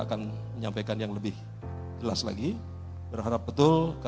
saya kira bahwa visual yang cukup panjang tapi nanti para nasional bisa melihat